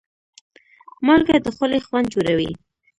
مالګه د خولې خوند جوړوي.